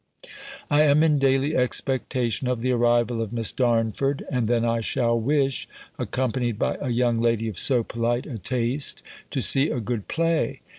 I am in daily expectation of the arrival of Miss Darnford, and then I shall wish (accompanied by a young lady of so polite a taste) to see a good play.